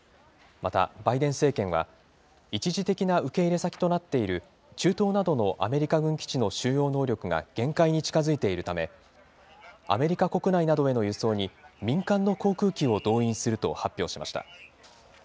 また、バイデン政権は、一時的な受け入れ先となっている中東などのアメリカ軍基地の収容能力が限界に近づいているため、アメリカ国内などへの輸送に民間の航空機を動員すると発表しました。